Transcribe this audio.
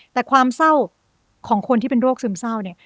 แต่ความเศร้าของคนที่เป็นโรคซึมเศร้าเนี่ย